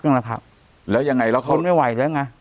แล้วครับแล้วยังไงแล้วเขาทนไม่ไหวแล้วไง